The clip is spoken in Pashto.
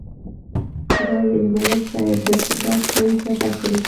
خدای دې د ملک صاحب دا خدایي چپه کړي.